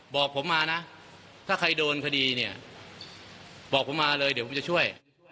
บอกผมมานะถ้าใครโดนคดีเนี่ยบอกผมมาเลยเดี๋ยวผมจะช่วย